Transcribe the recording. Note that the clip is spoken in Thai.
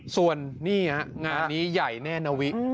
ส่วนนี่ฮะงานนี้ใหญ่แน่นาวิ